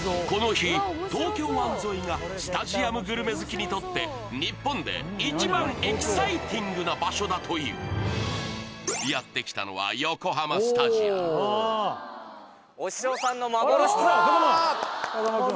この日東京湾沿いがスタジアムグルメ好きにとって日本で一番エキサイティングな場所だというやって来たのは推し匠さんの幻ツアー！